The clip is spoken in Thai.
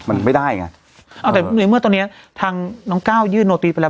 มันไม่ได้ไงเอาแต่ในเมื่อตอนเนี้ยทางน้องก้าวยื่นโนติไปแล้ว